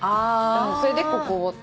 それでここって。